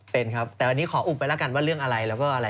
เป็นครับแต่วันนี้ขออุบไปแล้วกันว่าเรื่องอะไรแล้วก็อะไร